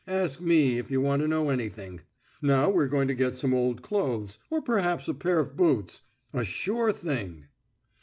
Ask me if you want to know anything. Now we're going to get some old clothes or perhaps a pair of boots. A sure thing!..."